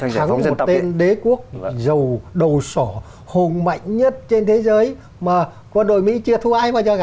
thắng một tên đế quốc giàu đầu sổ hồn mạnh nhất trên thế giới mà quân đội mỹ chưa thua ai bao giờ cả